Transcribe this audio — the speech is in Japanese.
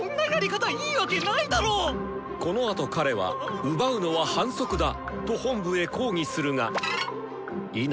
このあと彼は「奪うのは反則だ！」と本部へ抗議するが否！